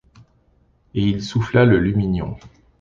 Et il souffla le lumignon.